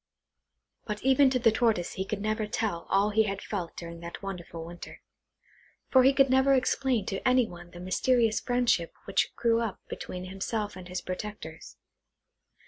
But even to the Tortoise he could never tell all he had felt during that wonderful winter; for he could never explain to any one the mysterious friendship which grew up between himself and his protectors.